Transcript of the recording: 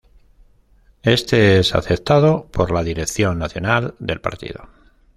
Éste es aceptado por la Dirección Nacional del partido.